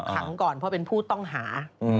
เข้าไปพูดพูดต้องหา